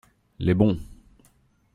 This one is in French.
Les bons.